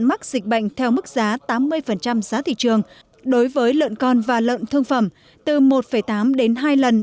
mắc dịch bệnh theo mức giá tám mươi giá thị trường đối với lợn con và lợn thương phẩm từ một tám đến hai lần